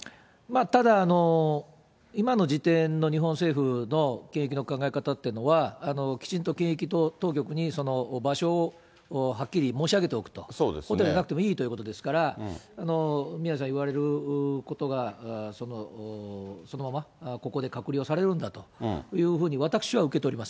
ただいまの時点の日本政府の検疫の考え方っていうのは、きちんと検疫当局に場所をはっきり申し上げておくと、ホテルじゃなくてもいいということですから、宮根さん言われることが、そのままここで隔離をされるんだというふうに私は受け取ります。